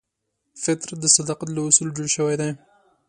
فطرت د صداقت له اصولو جوړ شوی دی.